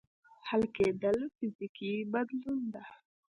حل کېدل فزیکي بدلون دی.